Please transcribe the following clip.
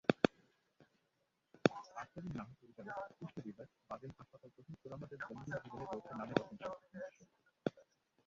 আখতারুন নাহারপরিচালক, পুষ্টি বিভাগ, বারডেম হাসপাতালপ্রশ্নোত্তরআমাদের দৈনন্দিন জীবনে রয়েছে নানা রকম স্বাস্থ্যসমস্যা।